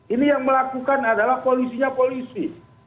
ini yang melakukan adalah polisinya polisi